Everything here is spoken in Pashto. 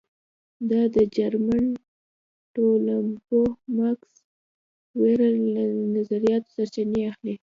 دا د جرمن ټولنپوه ماکس وېبر له نظریاتو سرچینه اخلي.